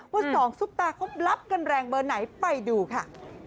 สองซุปตาเขารับกันแรงเบอร์ไหนไปดูค่ะ